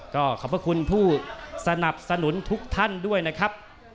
ก็ขอบพระคุณผู้สนับสนุนทุกท่านด้วยนะครับ